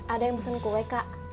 ada yang pesan kue kak